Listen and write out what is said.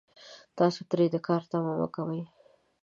تاسو ترې د کار تمه کوئ